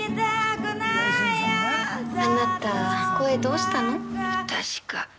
あなた、声どうしたの？